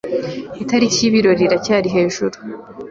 Itariki y'ibirori iracyari hejuru.